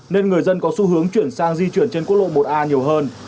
nên người dân có xu hướng chuyển sang di chuyển trên quốc lộ một a nhiều hơn